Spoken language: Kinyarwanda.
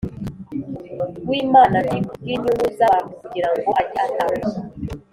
W imana t ku bw inyungu z abantu kugira ngo ajye atanga